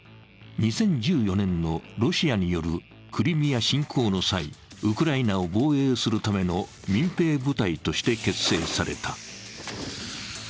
２０１４年のロシアによるクリミア侵攻の際、ウクライナを防衛するための民兵部隊として結成された。